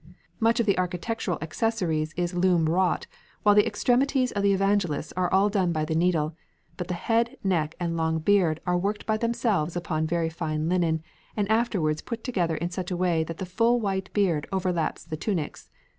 "Much of the architectural accessories is loom wrought, while the extremities of the evangelists are all done by the needle; but the head, neck, and long beard are worked by themselves upon very fine linen, and afterward put together in such a way that the full white beard overlaps the tunics....